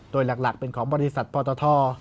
โดยหลักเป็นของบริษัทปตท